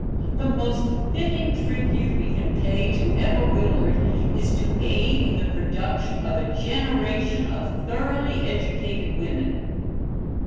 The most fitting tribute we can pay to Emma Willard is to aid in the production of a generation of thoroughly educated women.